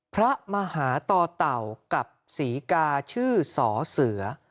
พระมหาต่อเต่ากับศรีกาชื่อสอเสือ